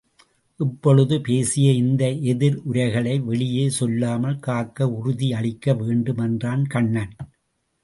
இப்பொழுது பேசிய இந்த எதிர் உரைகளை வெளியே சொல்லாமல் காக்க உறுதி அளிக்க வேண்டும் என்றான் கண்ணன்.